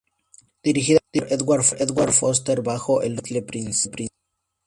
Dirigida por Edward Foster bajo el nombre Little Princess.